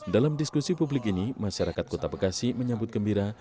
dalam diskusi publik ini masyarakat kota bekasi menyambut gembira